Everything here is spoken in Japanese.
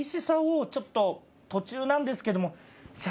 ちょっと途中なんですけども。